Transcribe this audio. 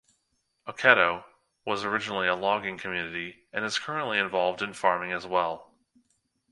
Oketo was originally a logging community, and is currently involved in farming as well.